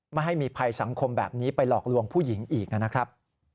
ไม่ให้มีภัยสังคมแบบนี้ไปหลอกลวงผู้หญิงอีกนะครับ